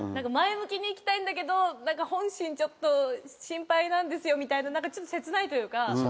前向きにいきたいんだけど本心ちょっと心配なんですよみたいなちょっと切ないというか。